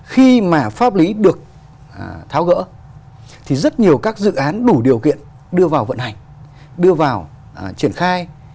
khi mà pháp lý được tháo gỡ thì rất nhiều các dự án đủ điều kiện đưa vào vận hành đưa vào triển khai